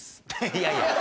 いやいや。